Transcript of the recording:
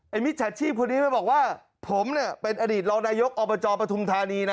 มิจฉาชีพคนนี้มันบอกว่าผมเนี่ยเป็นอดีตรองนายกอบจปฐุมธานีนะ